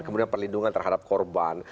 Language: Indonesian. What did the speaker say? kemudian perlindungan terhadap korban